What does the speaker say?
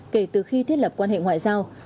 kể từ khi thiết lập quan hệ ngoại giao